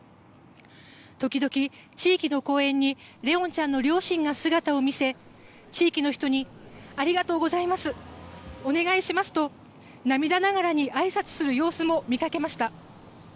時々、地域の公園に怜音ちゃんの両親が姿を見せ地域の人にありがとうございますお願いしますと涙ながらにあいさつする様子も見かけました。